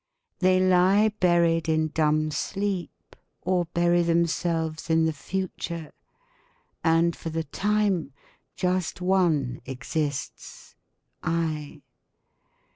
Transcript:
They lie buried in dumb sleep, or bury themselves in the future. And for the time, just one exists: I.